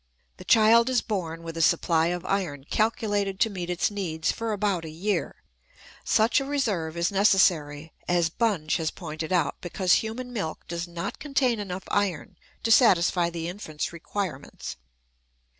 The child is born with a supply of iron calculated to meet its needs for about a year. Such a reserve is necessary, as Bunge has pointed out, because human milk does not contain enough iron to satisfy the infant's requirements.